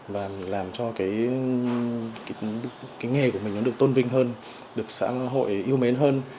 và làm cho cái nghề của mình nó được tôn vinh hơn được xã hội yêu mến hơn